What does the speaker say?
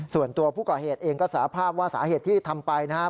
ส่วนตัวผู้ก่อเหตุเองก็สาภาพว่าสาเหตุที่ทำไปนะครับ